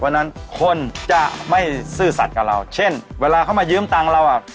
เพราะฉะนั้นคนจะไม่ซื่อสัตว์กับเราเช่นเวลาเขามายืมตังค์เราอ่ะ